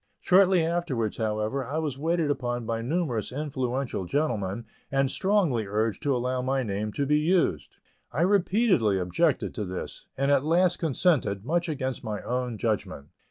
Shortly afterwards, however, I was waited upon by numerous influential gentlemen, and strongly urged to allow my name to be used. I repeatedly objected to this, and at last consented, much against my own judgment.